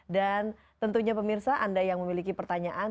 dan tentunya pemirsa anda yang memiliki pertanyaan